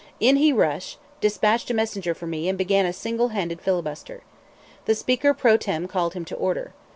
In he rushed, despatched a messenger for me, and began a single handed filibuster. The Speaker pro tem called him to order.